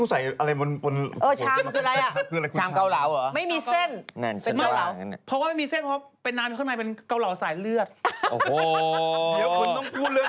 ทุกทีเป็นเกาเหล่าเป็นเส้นถูกไหมคะแต่เป็นแบบนั่นนี่นั่นนี่เป็นเกาเหลือเลือดขวัญ